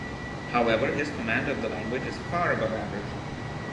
However, his command of the language is far above average.